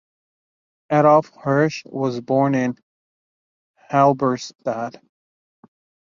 Adolph Hirsch was born in Halberstadt.